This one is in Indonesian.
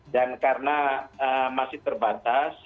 dan karena masih terbatas